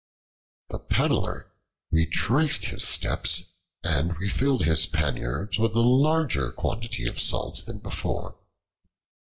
The Peddler retraced his steps and refilled his panniers with a larger quantity of salt than before.